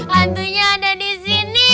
hantunya ada di sini